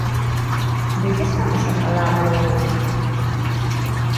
¿De que estamos a falar, logo?